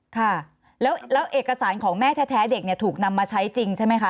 ค่ะแล้วเอกสารของแม่แท้เด็กเนี่ยถูกนำมาใช้จริงใช่ไหมคะ